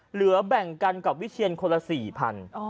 เหลือแบ่งกันกับวิเชียนคนละสี่พัน